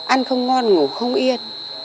ăn không ngon ngủ không yên